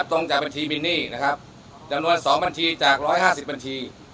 รับตรงจากบัญชีมินนี่นะครับจำนวนสองบัญชีจากร้อยห้าสิบบัญชี